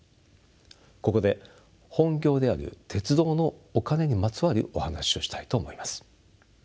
ここで本業である鉄道のお金にまつわるお話をしたいと思います。